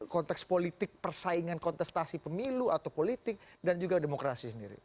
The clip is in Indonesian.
konteks politik persaingan kontestasi pemilu atau politik dan juga demokrasi sendiri